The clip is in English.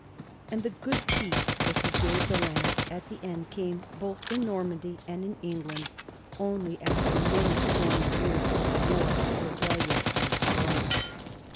And the good peace that he gave the land at the end came, both in Normandy and in England, only after many stormy years of war, rebellion, and strife.